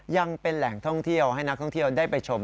ยังเป็นแหล่งท่องเที่ยวให้นักท่องเที่ยวได้ไปชม